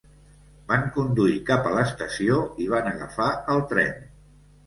Van conduir cap a l'estació i van agafar el tren.